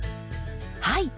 はい。